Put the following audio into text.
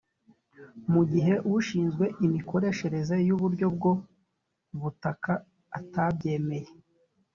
mu gihe ushinzwe imikoreshereze y’uburyo bwo butaka atabyemeye